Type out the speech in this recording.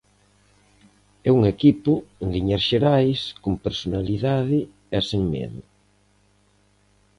É un equipo, en liñas xerais, con personalidade e sen medo.